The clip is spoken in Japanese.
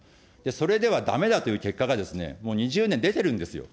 それではだめだという結果がもう２０年出てるんですよ。